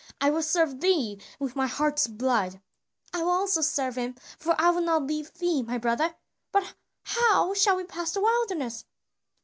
I will serve thee with my heart's blood." "I also will serve him, for I will not leave thee, my brother; but how shall we pass the wilderness?"